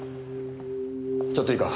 ちょっといいか。